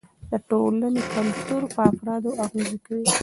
د ټولنې کلتور پر افرادو اغېز کوي.